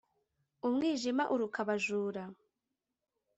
Umwijima uruka abajura